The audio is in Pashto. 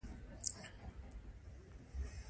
ناتوکمیزې ملتپالنې په فقدان کې.